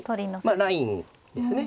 まあラインですね。